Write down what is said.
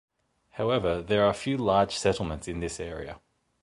However, there are few large settlements in this area.